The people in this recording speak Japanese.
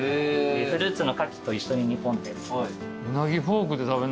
フルーツの柿と一緒に煮込んで。